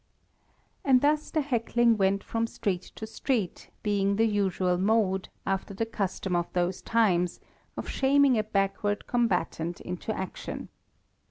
And thus the heckling went from street to street, being the usual mode, after the custom of those times, of shaming a backward combatant into action.